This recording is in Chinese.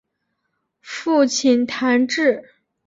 父亲谭智。